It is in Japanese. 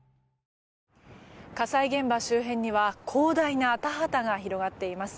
火災現場周辺には広大な田畑が広がっています。